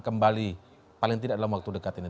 kembali paling tidak dalam waktu dekat ini